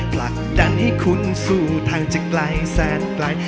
ผลักดันให้คุณสู่ทางจะไกลแสนไกล